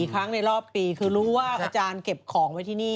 ครั้งในรอบปีคือรู้ว่าอาจารย์เก็บของไว้ที่นี่